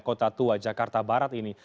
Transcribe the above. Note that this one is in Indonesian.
kota tua jakarta barat ini